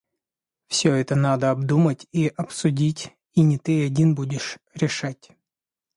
Всё это надо обдумать и обсудить, и не ты один будешь решать.